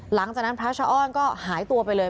หลังจากนั้นพระชะอ้อนก็หายตัวไปเลย